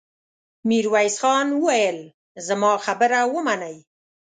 ميرويس خان وويل: زما خبره ومنئ!